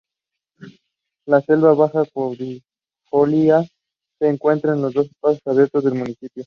La selva baja caducifolia, se encuentra en los espacios abiertos del municipio.